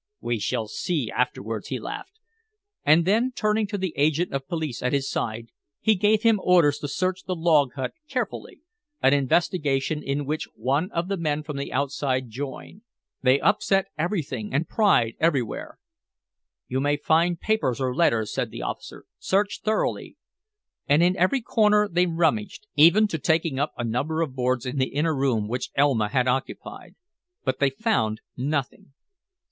"We shall see afterwards," he laughed. And then, turning to the agent of police at his side, he gave him orders to search the log hut carefully, an investigation in which one of the men from the outside joined. They upset everything and pried everywhere. "You may find papers or letters," said the officer. "Search thoroughly." And in every corner they rummaged, even to taking up a number of boards in the inner room which Elma had occupied. But they found nothing.